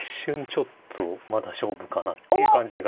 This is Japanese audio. ちょっとまだ勝負かなっていう感じが。